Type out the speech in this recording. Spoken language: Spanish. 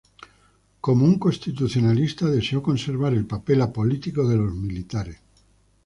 Como un constitucionalista, deseó conservar el papel apolítico de los militares.